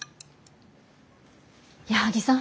矢作さん